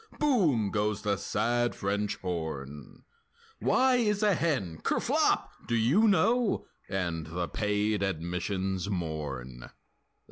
Boom! goes the sad French horn; Why is a hen? (Kerflop!) Do you know?— And the paid admissions mourn!